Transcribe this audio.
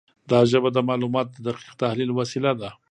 دا ژبه د معلوماتو د دقیق تحلیل وسیله ده.